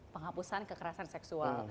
penghapusan kekerasan seksual